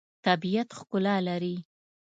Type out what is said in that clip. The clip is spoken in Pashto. طبیعت ښکلا لري.